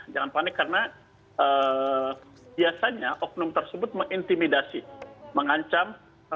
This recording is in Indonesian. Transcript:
jangan panik karena biasanya oknum tersebut mengintimidasi mengancam